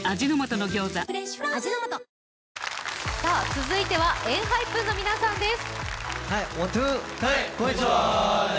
続いてはＥＮＨＹＰＥＮの皆さんです。